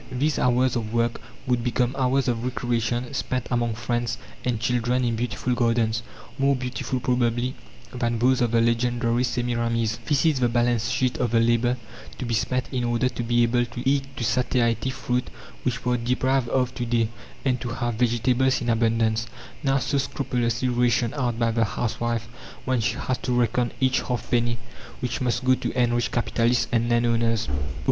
These hours of work would become hours of recreation spent among friends and children in beautiful gardens, more beautiful probably than those of the legendary Semiramis. This is the balance sheet of the labour to be spent in order to be able to eat to satiety fruit which we are deprived of to day, and to have vegetables in abundance, now so scrupulously rationed out by the housewife, when she has to reckon each half penny which must go to enrich capitalists and landowners.